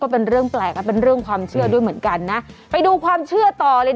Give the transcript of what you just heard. ก็นั่นสิแต่เธอก็ไม่อยากจะให้แม่ต้องทรมานแบบนี้ก็ทำใจเอาไว้นะ